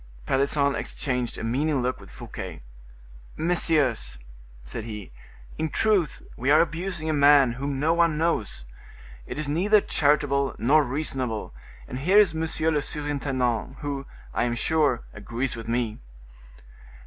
Pelisson exchanged a meaning look with Fouquet. "Messieurs," said he, "in truth we are abusing a man whom no one knows: it is neither charitable nor reasonable; and here is monsieur le surintendant, who, I am sure, agrees with me."